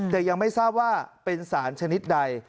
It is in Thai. แต่ยังไม่ทราบว่าเป็นสารชนิดใด